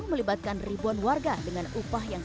melibatkan ribuan warga dengan upah yang